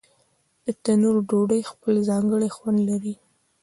د تنور ډوډۍ خپل ځانګړی خوند لري.